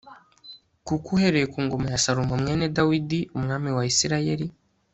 kuko uhereye ku ngoma ya salomo mwene dawidi umwami wa isirayeli